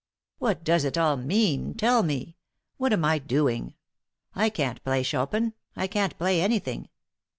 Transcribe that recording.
"What does it all mean? Tell me! What am I doing? I can't play Chopin! I can't play anything!